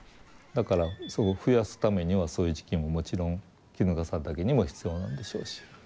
だからそこ増やすためにはそういう時期ももちろんキヌガサダケにも必要なんでしょうし。